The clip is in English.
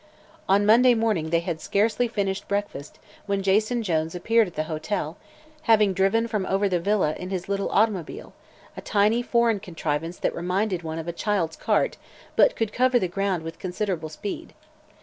On Monday morning they had scarcely finished breakfast when Jason Jones appeared at the hotel, having driven over from the villa in his little automobile a tiny foreign contrivance that reminded one of a child's cart but could cover the ground with considerable speed.